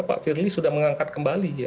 pak firly sudah mengangkat kembali ya